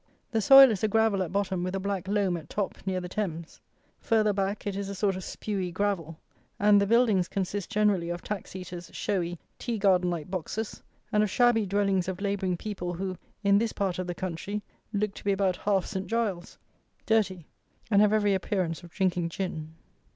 The soil is a gravel at bottom with a black loam at top near the Thames; further back it is a sort of spewy gravel; and the buildings consist generally of tax eaters' showy, tea garden like boxes, and of shabby dwellings of labouring people who, in this part of the country, look to be about half Saint Giles's: dirty, and have every appearance of drinking gin.